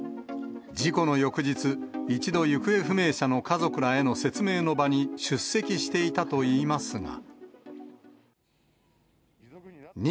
事故の翌日、一度、行方不明者の家族らへの説明の場に出席していたといいますが。